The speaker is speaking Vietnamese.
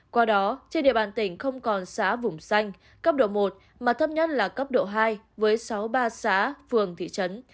qua đó trên địa bàn tỉnh không còn xã vùng xanh cấp độ một mà thấp nhất là cấp độ hai với sáu ba xã phường thị trấn